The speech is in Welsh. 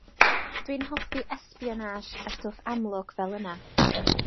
Dwi'n hoffi espionage a stwff amlwg fel yna.